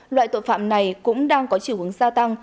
loại tội phạm này cũng đang có chỉ huống gia tăng